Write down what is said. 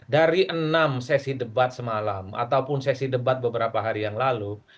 dari enam sesi debat semalam ataupun sesi debat beberapa hari yang lalu